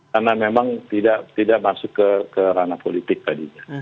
karena memang tidak masuk ke ranah politik tadinya